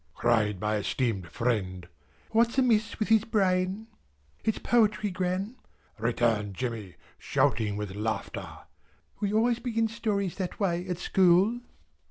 cried my esteemed friend, "what's amiss with his brain?" "It's poetry, Gran," returned Jemmy, shouting with laughter. "We always begin stories that way at school."